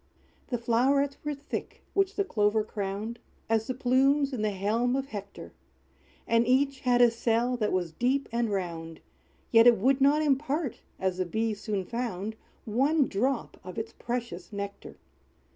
The flow'rets were thick which the Clover crowned, As the plumes in the helm of Hector; And each had a cell that was deep and round, Yet it would not impart, as the Bee soon found, One drop of its precious nectar.